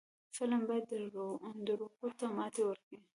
فلم باید دروغو ته ماتې ورکړي